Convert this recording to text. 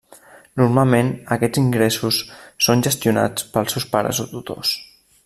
Normalment aquests ingressos són gestionats pels seus pares o tutors.